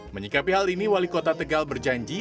menyikapi hal ini wali kota tegal berjanji